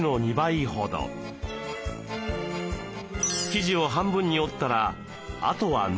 生地を半分に折ったらあとは縫うだけ。